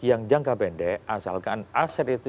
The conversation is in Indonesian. yang jangka pendek asalkan aset itu